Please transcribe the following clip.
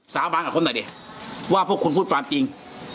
สาบานกับคนหน่อยสิคุณพูดความจริง